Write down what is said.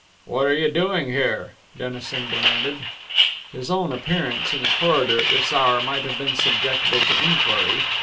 "What are you doing here?" Dennison demanded. His own appearance in the corridor at this hour might have been subjectable to inquiry.